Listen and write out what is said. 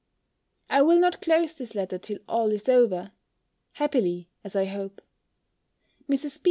I will not close this letter till all is over: happily, as I hope! Mrs. B.